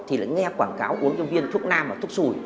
thì nghe quảng cáo uống viên thuốc nam và thuốc sùi